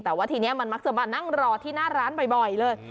แต่ว่าทีนี้มันมักจะมานั่งรอที่หน้าร้านบ่อยเลย